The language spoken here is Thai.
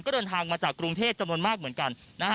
ก็เดินทางมาจากกรุงเทพจำนวนมากเหมือนกัน